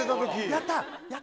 やった！